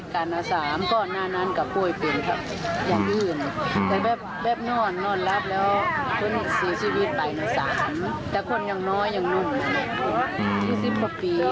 ๒๐กว่าปีแล้วก็๕๐กว่าปี